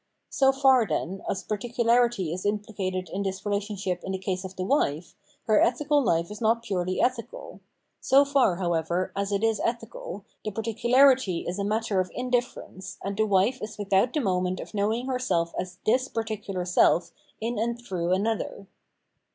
So far, then, as particularity is imphcated in this relationship in the case of the wife, her ethical fife is not purely ethical ; so far, however, as it is ethical, the particularity is a matter of indifference, and the wife is without the moment of knowing herself as this particular seif in and through an other.